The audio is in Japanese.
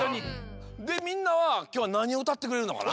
でみんなはきょうはなにをうたってくれるのかな？